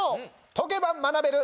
解けば学べる！